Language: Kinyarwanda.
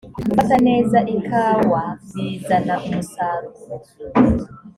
gufata neza ikawa bizana umusaruro